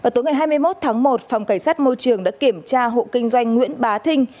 tối ngày hai mươi một tháng một phòng cảnh sát môi trường đã kiểm tra hộ kinh doanh nguyễn bá thinh